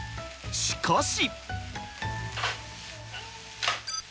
しかし。